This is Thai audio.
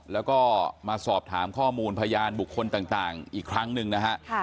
แล้วก็มาสอบถามข้อมูลพยานบุคคลต่างอีกครั้งหนึ่งนะฮะ